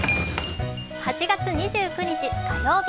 ８月２９日火曜日